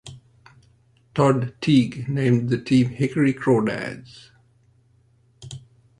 Todd Teague named the team Hickory Crawdads.